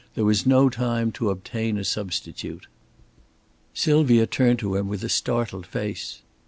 There was no time to obtain a substitute." Sylvia turned to him with a startled face.